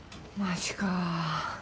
マジか。